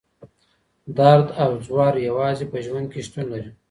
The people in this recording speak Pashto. درد او ځور یوازې په ژوند کي شتون لري.